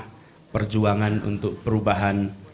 dan perjuangan untuk perubahan